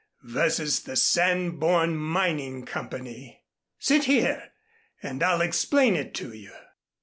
vs. The Sanborn Mining Company._ Sit here and I'll explain it to you."